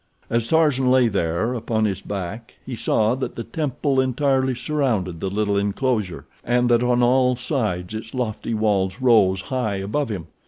As Tarzan lay there upon his back he saw that the temple entirely surrounded the little inclosure, and that on all sides its lofty walls rose high above him.